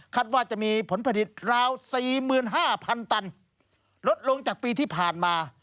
ว่าจะมีผลผลิตราว๔๕๐๐๐ตันลดลงจากปีที่ผ่านมา